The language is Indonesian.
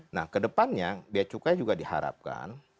nah kedepannya biaya cukai juga diharapkan